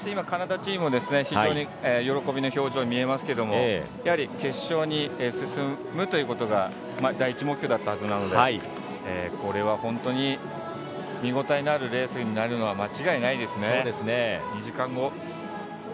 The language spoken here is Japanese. カナダチーム、非常に喜びの表情が見えますけど決勝に進むということが第１目標だったはずなのでこれは本当に見応えのあるレースになるのは間違いないですね。